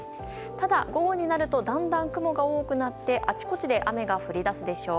ただ、午後になるとだんだん雲が多くなってあちこちで雨が降り出すでしょう。